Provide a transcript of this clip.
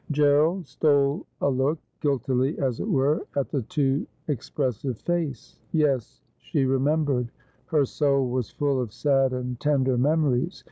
Gerald stole a look — guiltily as it were — at the too expres sive face. Yes, she remembered. Her soul was full of sad and tender memories.